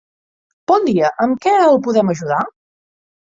Bon dia, amb què el podem ajudar?